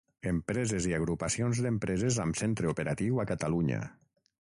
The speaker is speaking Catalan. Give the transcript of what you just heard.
Empreses i agrupacions d'empreses amb centre operatiu a Catalunya.